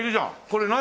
これ何？